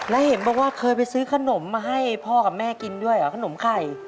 แล้วเห็นบอกว่าเคยไปซื้อขนมมาให้พ่อกับแม่กินด้วยเหรอขนมไข่